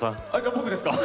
僕ですか！